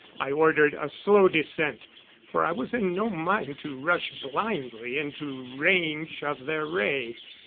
I ordered a slow descent, for I was in no mind to rush blindly into range of their ray.